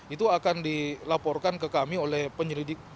itu akan dilaporkan ke kami oleh penyelidik